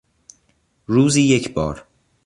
روزی یکبار